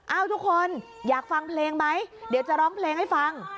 ทุกคนอยากฟังเพลงไหมเดี๋ยวจะร้องเพลงให้ฟัง